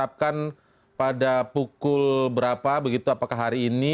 bukul berapa begitu apakah hari ini